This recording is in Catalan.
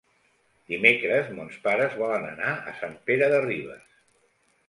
Dimecres mons pares volen anar a Sant Pere de Ribes.